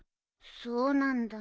そうなんだ。